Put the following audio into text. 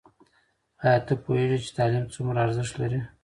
ایا ته پوهېږې چې تعلیم څومره ارزښت لري؟